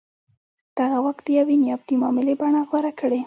دغه واک د یوې نیابتي معاملې بڼه غوره کړې.